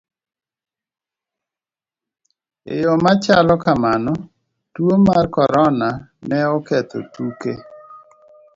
E yo ma chalo kamano, tuo mar corona ne oketho tuke.